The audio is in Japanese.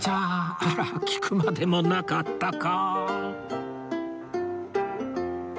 あら聞くまでもなかったか